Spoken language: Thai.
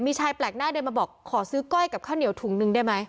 มีชายแปลกหน้าเดินมาบอกขอซื้อก้อยกับข้าวเหนียวถุงนึงได้ไหม